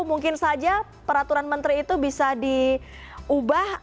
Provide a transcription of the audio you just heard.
mungkin saja peraturan menteri itu bisa diubah